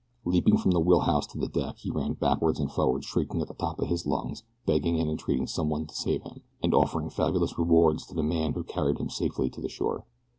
Leaping from the wheelhouse to the deck he ran backward and forward shrieking at the top of his lungs begging and entreating someone to save him, and offering fabulous rewards to the man who carried him safely to the shore.